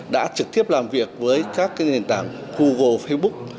đã trực tiếp làm việc với các nền tảng google facebook